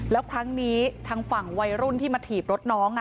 แล้วครั้งนี้ทางฝั่งวัยรุ่นที่มาถีบรถน้อง